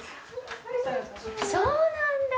そうなんだ。